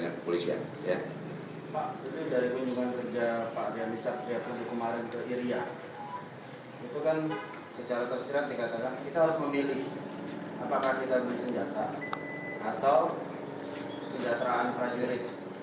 itu kan secara terserah dikatakan kita harus memilih apakah kita memilih senjata atau senjataan prajurit